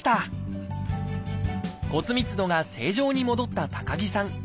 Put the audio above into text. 骨密度が正常に戻った高木さん。